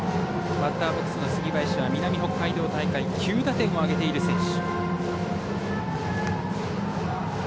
バッターボックスの杉林は南北海道大会９打点を挙げている選手。